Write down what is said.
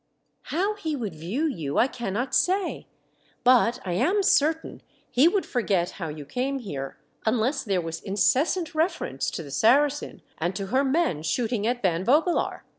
" How he would view you I cannot say ; but I am certain he would forget how you came here, unless there was incessant refer ence to the Saracen and to her men shooting at Van Vogelaar.